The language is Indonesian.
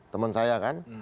temen saya kan